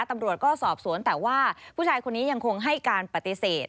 ตำรวจก็สอบสวนแต่ว่าผู้ชายคนนี้ยังคงให้การปฏิเสธ